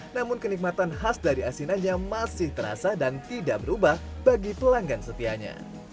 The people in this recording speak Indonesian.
namun kenikmatan khas dari asinannya masih terasa dan tidak berubah bagi pelanggan setianya